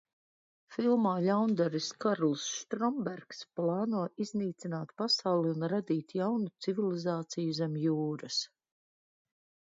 Filmā ļaundaris Karls Štrombergs plāno iznīcināt pasauli un radīt jaunu civilizāciju zem jūras.